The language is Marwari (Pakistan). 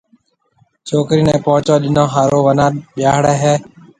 ڇوڪرَي نيَ پونچون ڏنون ھارو وناھ ٻياھݪي ھيَََ